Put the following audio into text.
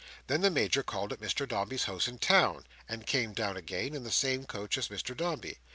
Then the Major called at Mr Dombey's house in town; and came down again, in the same coach as Mr Dombey.